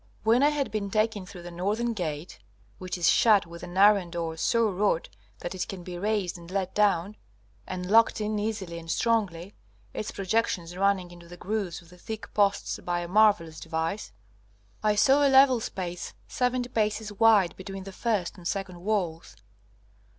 When I had been taken through the northern gate (which is shut with an iron door so wrought that it can be raised and let down, and locked in easily and strongly, its projections running into the grooves of the thick posts by a marvellous device), I saw a level space seventy paces (1) wide between the first and second walls.